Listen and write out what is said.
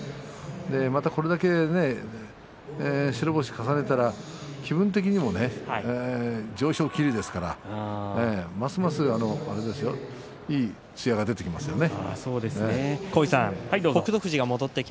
また、これだけ白星を重ねたら気分的にも上昇気流ですからますますいいつやが出てきますよね。